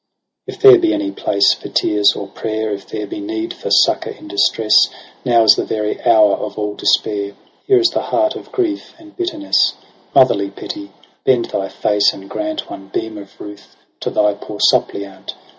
zz ' If there be any place for tears or prayer. If there be need for succour in distress. Now is the very hour of all despair. Here is the heart of grief and bitterness. Motherly pity, bend thy face and grant One beam of ruth to thy poor suppliant.